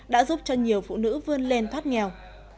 đã giúp cho nhiều phụ nữ vươn lên thoát nghèo